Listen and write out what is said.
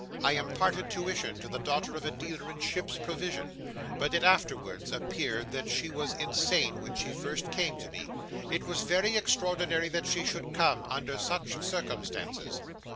I imparted tuition to the daughter of a dealer in ships' provision; but it afterwards appeared that she was insane when she first came to me. It was very extraordinary that she should come, under such circumstances.